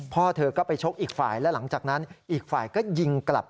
พ่อเธอก็ไปชกอีกฝ่ายและหลังจากนั้นอีกฝ่ายก็ยิงกลับ